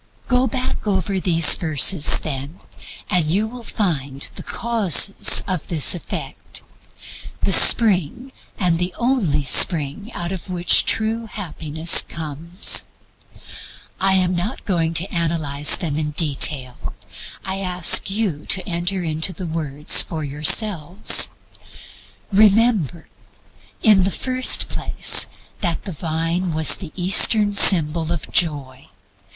Go back over these verses, then, and you will find the Causes of this Effect, the spring, and the only spring, out of which true Happiness comes. I am not going to analyze them in detail. I ask you to enter into the words for yourselves. Remember, in the first place, that the Vine was the Eastern symbol of Joy.